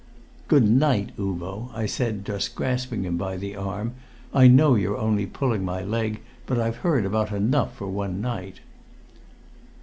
"Good night, Uvo," I said, just grasping him by the arm. "I know you're only pulling my leg, but I've heard about enough for one night."